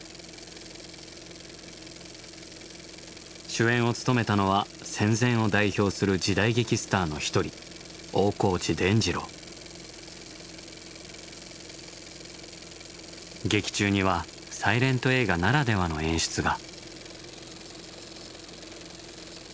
主演を務めたのは戦前を代表する時代劇スターの一人劇中にはサイレント映画ならではの演出が。